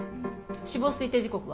死亡推定時刻は？